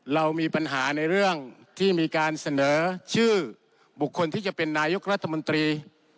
เรามีปัญหาในเรื่องที่มีการเสนอชื่อบุคคลที่จะเป็นนายกรัฐมนตรี